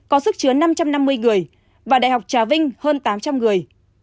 có sức chứa năm trăm năm mươi người và đại học trà vinh hơn tám trăm linh người